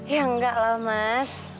ya enggak lah mas